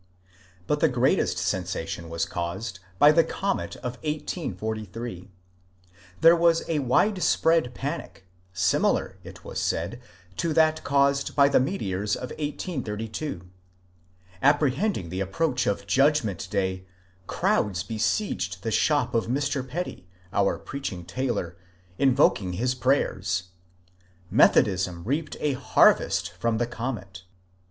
But the greatest sensation was caused by the comet of 1843. There was a widespread panic, similar, it was said, to that caused by the meteors of 1832. Apprehending the ap proach of Judgment Day, crowds besieged the shop of Mr. Petty, our preaching tailor, invoking his prayers. Methodism reaped a harvest from the comet.